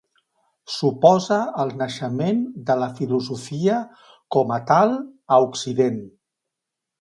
Suposa el naixement de la filosofia com a tal a Occident.